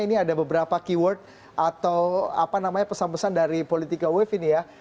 ini ada beberapa keyword atau apa namanya pesan pesan dari politika wave ini ya